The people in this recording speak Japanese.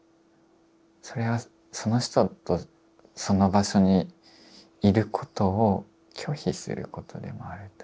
それはその人とその場所にいることを拒否することでもあるというか。